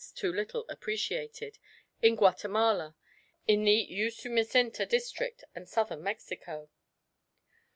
too little appreciated) in Guatemala, in the Usumacinta district and Southern Mexico.